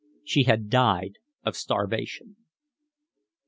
She had died of starvation.